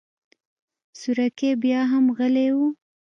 سورکی بياهم غلی و.